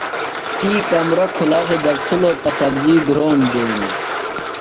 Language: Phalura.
تی کمرہ کُھلاؤ تھےۡ دڇِھلوۡ تہ سبزی گھرونڈ دینیۡ۔